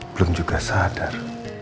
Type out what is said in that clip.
belum juga sadar